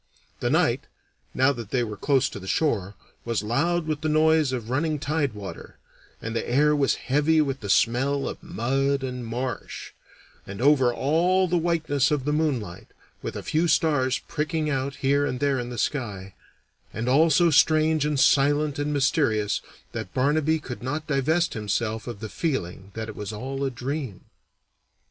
The night, now that they were close to the shore, was loud with the noise of running tide water, and the air was heavy with the smell of mud and marsh, and over all the whiteness of the moonlight, with a few stars pricking out here and there in the sky; and all so strange and silent and mysterious that Barnaby could not divest himself of the feeling that it was all a dream.